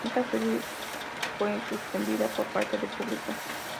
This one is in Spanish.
Esta feria fue suspendida por falta de público.